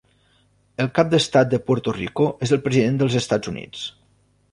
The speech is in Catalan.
El cap d'estat de Puerto Rico és el President dels Estats Units.